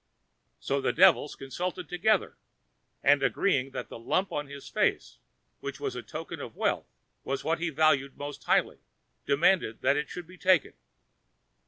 So the devils consulted together, and, agreeing that the lump on his face, which was a token of wealth, was what he valued most highly, demanded that it should be taken.